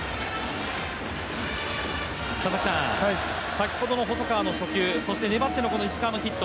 先ほどの細川の初球、そして粘っての石川のヒット